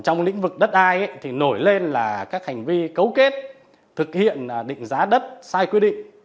trong lĩnh vực đất ai nổi lên là hành vi cấu kết thực hiện định giá đất sai quy định